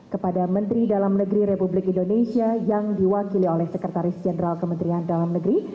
kepada menteri dalam negeri republik indonesia yang diwakili oleh sekretaris jenderal kementerian dalam negeri